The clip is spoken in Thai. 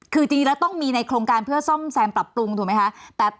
คือจริงแล้วต้องมีในโครงการเพื่อซ่อมแซมปรับปรุงถูกไหมคะ